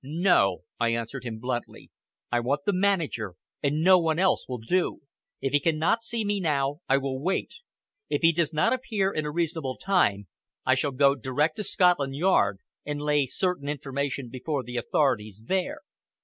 "No!" I answered him bluntly. "I want the manager, and no one else will do. If he cannot see me now I will wait. If he does not appear in a reasonable time, I shall go direct to Scotland Yard and lay certain information before the authorities there."